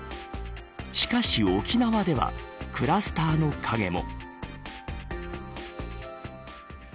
しかし、沖縄ではクラスターの影も。